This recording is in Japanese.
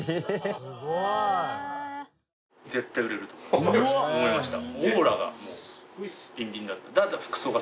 すごい。絶対売れると思いました。